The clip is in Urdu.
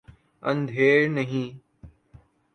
اندھیر نہیں۔